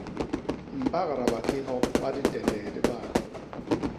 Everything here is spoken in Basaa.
Mbagda bakihop ba diteende dibaa.